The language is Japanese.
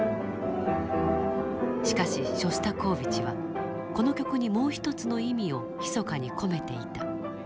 しかしショスタコーヴィチはこの曲にもう一つの意味をひそかに込めていた。